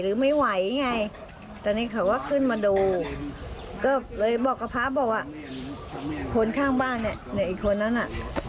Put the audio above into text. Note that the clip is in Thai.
เดี๋ยวอีกคนนั่นน่ะ